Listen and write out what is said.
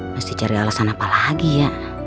mesti cari alasan apa lagi ya